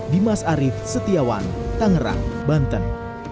dimas arief setiawan tangerang banten